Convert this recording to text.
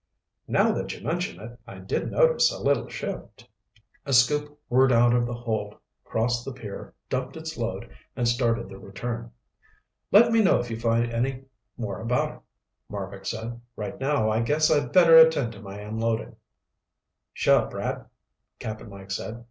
"Now that you mention it, I did notice a little shift." A scoop whirred out of the hold, crossed the pier, dumped its load and started the return. "Let me know if you find out any more about it," Marbek said. "Right now I guess I better attend to my unloadin'." "Sure, Brad," Cap'n Mike said.